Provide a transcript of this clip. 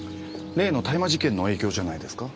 例の大麻事件の影響じゃないですか？